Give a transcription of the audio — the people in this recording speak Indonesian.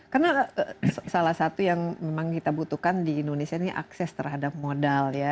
karena salah satu yang memang kita butuhkan di indonesia ini akses terhadap modal ya